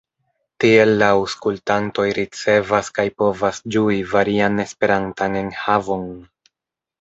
Tiel la aŭskultantoj ricevas kaj povas ĝui varian Esperantan enhavon.